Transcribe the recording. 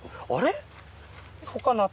あれ？